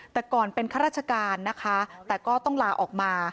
แต่ก่อนเป็นข้าราชการนะคะแต่ก็ต้องลาออกมา